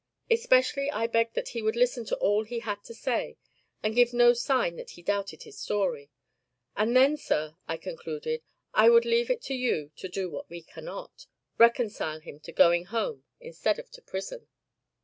Especially I begged that he would listen to all he had to say, and give no sign that he doubted his story. 'And then, sir,' I concluded, 'I would leave it to you to do what we cannot reconcile him to going home instead of to prison.